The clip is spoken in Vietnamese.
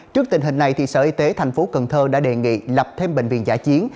trước tình hình này sở y tế tp hcm đã đề nghị lập thêm bệnh viện giả chiến